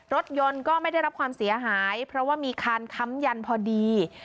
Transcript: รถยนต์ก็ไม่ได้รับความเสียหายเพราะว่ามีคานค้ำยันพอดี